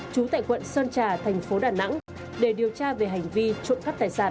chú tại quận sơn trà tp đà nẵng để điều tra về hành vi trộm cắp tài sản